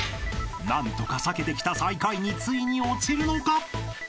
［何とか避けてきた最下位についに落ちるのか？］